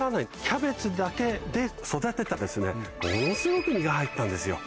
キャベツだけで育てたらものすごく実が入ったんですよ